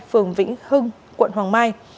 phường vĩnh hưng quận hoàng mai